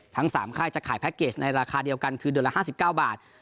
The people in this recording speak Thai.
ทั้ง๓ค่ายจะขายแพ็คเกจในราคาเดียวกันคือเดือนละ๕๙บาท